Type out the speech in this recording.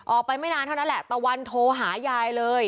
ไม่นานเท่านั้นแหละตะวันโทรหายายเลย